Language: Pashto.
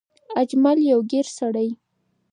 اجمل يو ګېر سړی